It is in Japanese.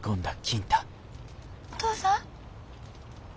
お父さん？